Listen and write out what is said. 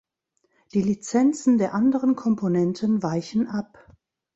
Die Lizenzen der anderen Komponenten weichen ab.